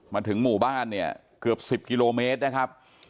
มาถึงหมู่บ้านเนี่ยเกือบ๑๐กิโลเมตรนะครับ